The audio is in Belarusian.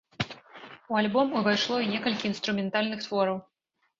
У альбом увайшло і некалькі інструментальных твораў.